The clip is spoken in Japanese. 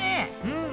うん！